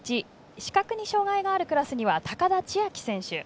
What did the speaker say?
視覚に障がいがあるクラスには高田千明選手。